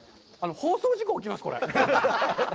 放送事故起きます、これ。